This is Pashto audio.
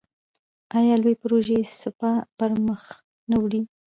آیا لویې پروژې سپاه پرمخ نه وړي؟